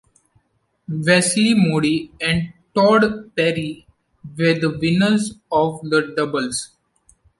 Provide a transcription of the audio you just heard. Wesley Moodie and Todd Perry were the winners of the doubles.